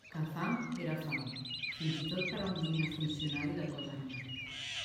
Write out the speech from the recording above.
Que fam era fam, fins i tot per a un digne funcionari de cos armat.